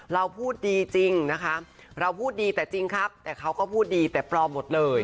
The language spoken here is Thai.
เราพูดดีจริงนะคะเราพูดดีแต่จริงครับแต่เขาก็พูดดีแต่ปลอมหมดเลย